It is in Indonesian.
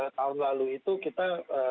tahun lalu itu kita